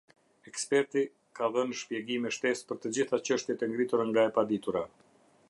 Eksperti ka dhënë shpjegime shtesë për të gjitha çështjet e ngritura nga e paditura.